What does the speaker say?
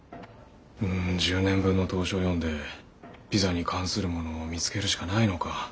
１０年分の投書を読んでピザに関するものを見つけるしかないのか。